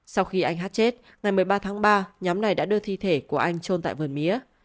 sau khi anh hát chết ngày một mươi ba tháng ba nhóm này đã đưa thi thể của anh trôn tại vườn mía